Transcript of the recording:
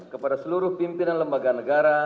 kepada seluruh pimpinan lembaga negara